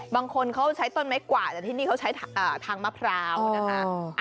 บางคนเขาใช้ต้นไม้กว่าแต่ที่นี่เขาใช้ทางมะพร้าวนะคะ